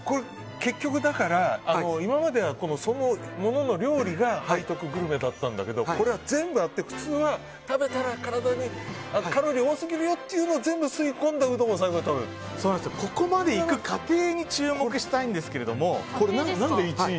結局、今まではそのものの料理が背徳グルメだったんだけどこれは全部あって普通は食べたらカロリー多すぎるよっていうのを全部吸い込んだここまで行く過程に注目したいんですけど。